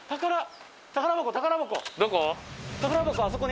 どこ？